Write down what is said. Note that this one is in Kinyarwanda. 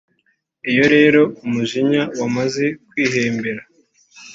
Iyo rero umujinya wamaze kwihembera